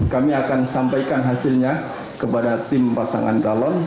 kami akan sampaikan hasilnya kepada tim pasangan calon